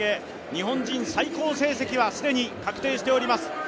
日本人最高成績は既に確定しています。